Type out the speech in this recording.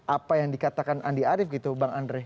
apa yang dikatakan andi arief gitu bang andre